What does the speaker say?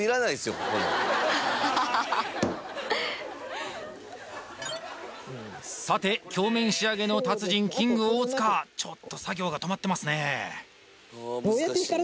ここにさて鏡面仕上げの達人キング大塚ちょっと作業が止まってますね